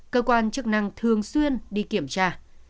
cơ quan chức năng thường xuyên đi kiểm tra